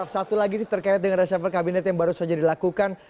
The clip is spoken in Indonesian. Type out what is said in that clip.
satu lagi terkait dengan reshuffle kabinet yang baru saja dilakukan